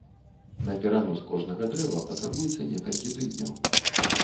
На перанос кожнага дрэва патрабуецца некалькі тыдняў.